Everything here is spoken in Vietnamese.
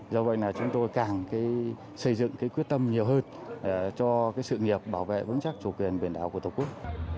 do vậy là chúng tôi càng xây dựng cái quyết tâm nhiều hơn cho sự nghiệp bảo vệ vững chắc chủ quyền biển đảo của tổ quốc